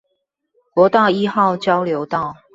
國道一號交流道